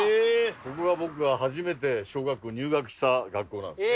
ここが僕が初めて小学校入学した学校なんですよ。